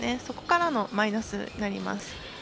そこからのマイナスになります。